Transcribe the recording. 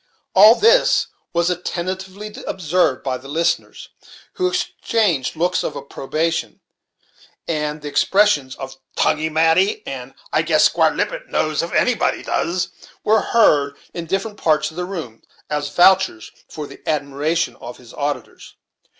All this was attentively observed by the listeners, who exchanged looks of approbation; and the expressions of "tonguey mati," and "I guess Squire Lippet knows if anybody does," were heard in different parts of the room, as vouchers for the admiration of his auditors.